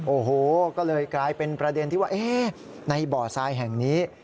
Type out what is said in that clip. โอ้โหก็เลยกลายเป็นประเด็นที่ว่าในบ่อทรายแห่งนี้